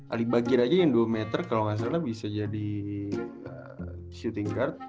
alibagir aja yang dua meter kalau nggak salah bisa jadi shooting card